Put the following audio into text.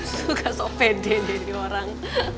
suka sok pede deh dia orang